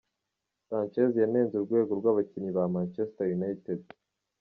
Sanchez yanenze urwego rw’abakinnyi ba Manchester United.